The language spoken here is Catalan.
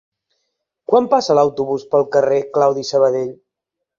Quan passa l'autobús pel carrer Claudi Sabadell?